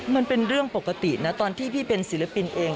มันเป็นเรื่องปกตินะตอนที่พี่เป็นศิลปินเอง